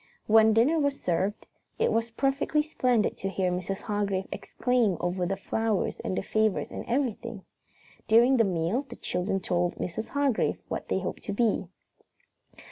When dinner was served, it was perfectly splendid to hear Mrs. Hargrave exclaim over the flowers and the favors and everything. During the meal the children told Mrs. Hargrave what they hoped to be.